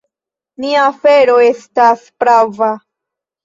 Nia afero estas prava.